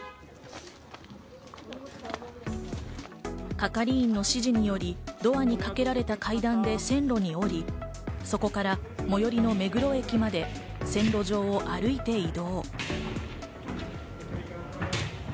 係員の指示によりドアにかけられた階段で線路に降り、そこから最寄りの目黒駅まで線路上を歩いて移動。